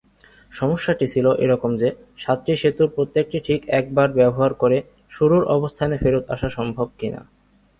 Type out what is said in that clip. সমস্যাটি ছিল এরকম যে, সাতটি সেতুর প্রত্যেকটি ঠিক একবার ব্যবহার করে শুরুর অবস্থানে ফেরত আসা সম্ভব কিনা।